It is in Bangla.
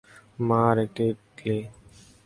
মা, আরেকটা ইডলি।